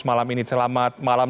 malam ini selamat malam